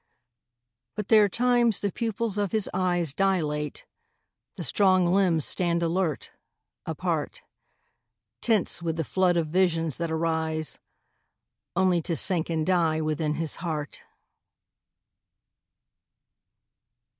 But there are times the pupils of his eyes Dilate, the strong limbs stand alert, apart, Tense with the flood of visions that arise Only to sink and die within his heart.